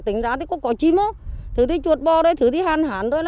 tính ra thì có cõi chim thứ thì chuột bò thứ thì hạn hạn thôi